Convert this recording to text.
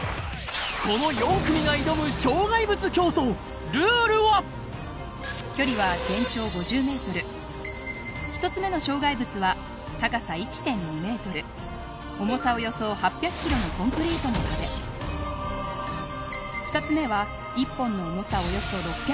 この４組が挑む障害物競走ルールは距離は１つ目の障害物は高さ１．２ｍ重さおよそ８００ｋｇのコンクリートの壁２つ目は１本の重さおよそ６００ｋｇ